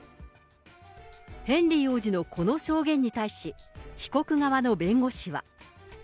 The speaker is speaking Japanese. ヘンリー王子のこの証言に対し、被告側の弁護士は。